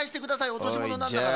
おとしものなんだから。